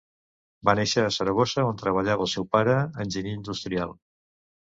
Va néixer a Saragossa on treballava el seu pare, enginyer industrial.